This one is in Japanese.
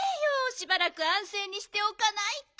しばらくあんせいにしておかないと。